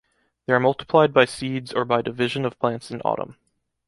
They are multiplied by seeds or by division of plants in autumn.